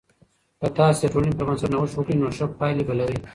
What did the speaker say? که تاسې د ټولنې پر بنسټ نوښت وکړئ، نو ښه پایلې به لرئ.